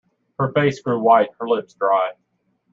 Her face grew white, her lips dry.